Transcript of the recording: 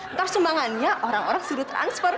ntar sumbangannya orang orang sudah transfer